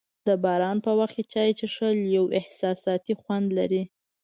د باران په وخت چای څښل یو احساساتي خوند لري.